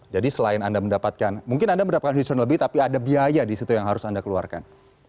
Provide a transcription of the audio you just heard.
jadi selain anda mendapatkan mungkin anda mendapatkan return lebih tapi ada biaya di situ yang harus anda keluarkan